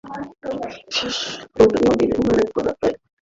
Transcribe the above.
শতদ্রু নদীর উল্লেখ আমরা পাই ঋগ্বেদে।